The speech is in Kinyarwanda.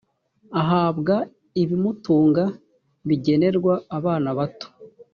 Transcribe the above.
ahabwa ibimutunga bigenerwa abana bato